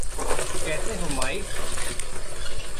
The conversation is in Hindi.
कैसे हो, माईक?